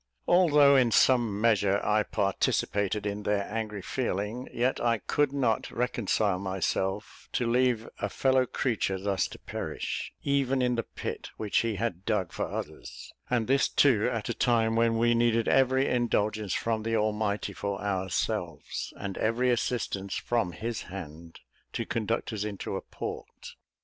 Although in some measure I participated in their angry feeling, yet I could not reconcile myself to leave a fellow creature thus to perish, even in the pit which he had dug for others, and this too at a time when we needed every indulgence from the Almighty for ourselves, and every assistance from his hand to conduct us into a port.